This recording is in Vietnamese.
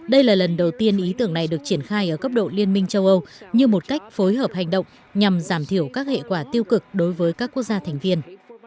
đây là lần đầu tiên ý tưởng này được triển khai ở cấp độ liên minh châu âu như một cách phối hợp hành động nhằm giảm thiểu các hệ quả tiêu cực đối với các quốc gia thành viên